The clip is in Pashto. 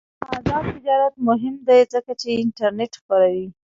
آزاد تجارت مهم دی ځکه چې انټرنیټ خپروي.